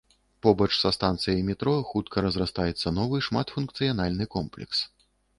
Побач са станцыяй метро хутка разрастаецца новы шматфункцыянальны комплекс.